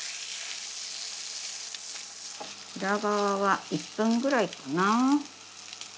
裏側は１分ぐらいかな。